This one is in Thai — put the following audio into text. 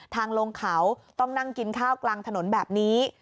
ลงเขาต้องนั่งกินข้าวกลางถนนแบบนี้